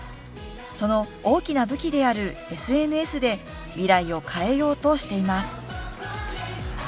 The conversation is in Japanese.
その大きな武器であるＳＮＳで未来を変えようとしています。